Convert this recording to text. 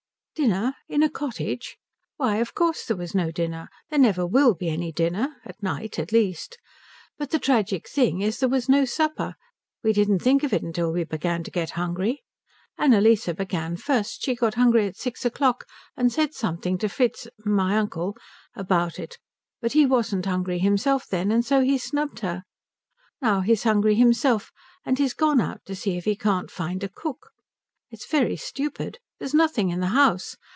"Dinner? In a cottage? Why of course there was no dinner. There never will be any dinner at night, at least. But the tragic thing is there was no supper. We didn't think of it till we began to get hungry. Annalise began first. She got hungry at six o'clock, and said something to Fritz my uncle about it, but he wasn't hungry himself then and so he snubbed her. Now he is hungry himself, and he's gone out to see if he can't find a cook. It's very stupid. There's nothing in the house.